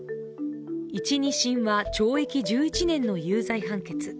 １、２審は懲役１１年の有罪判決。